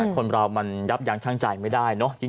คนเรามันยับยังช่างใจไม่ได้เนอะ